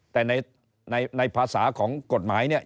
แต่ในภาษาของกฎหมายเนี่ย